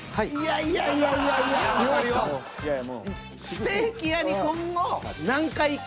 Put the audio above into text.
ステーキ屋に今後何回行く？